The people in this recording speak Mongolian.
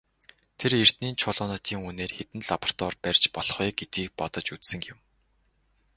Тэр эрдэнийн чулуунуудын үнээр хэдэн лаборатори барьж болох вэ гэдгийг бодож үзсэн юм.